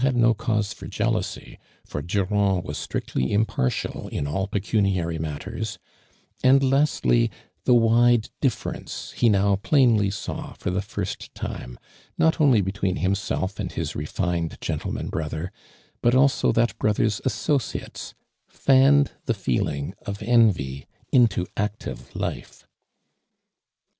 35 tering father k hi» sent id no cause Tor jealousy, for Durantl was Htriotly impartial in all pecuniary matterH : and lastly, the wde ditt'eronoe he now plainly Haw for the lirst time, not only between himself and his retineo gentleman brother, but also tliat brother's aasooiates, fanne<i the feeling of envy into active life.